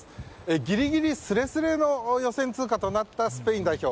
ギリギリスレスレの予選通過となったスペイン代表。